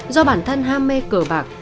do bản thân ham mê cờ bạc